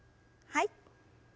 はい。